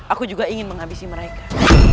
aku juga ingin menghabisi mereka